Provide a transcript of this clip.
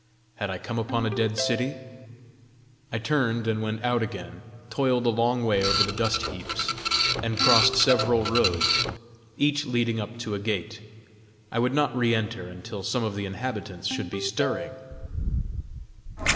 Had I come upon a dead city? I turned and went out again, toiled a long way over the dust heaps, and crossed several roads, each leading up to a gate: I would not re enter until some of the inhabitants should be stirring.